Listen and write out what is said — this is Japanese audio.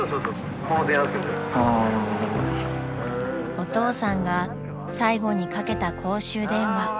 ［お父さんが最後にかけた公衆電話］